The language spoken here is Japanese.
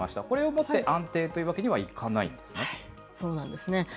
これをもって安定というわけにはいかないんですね。